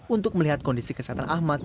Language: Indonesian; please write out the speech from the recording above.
untuk melihat kondisi kesehatan ahmad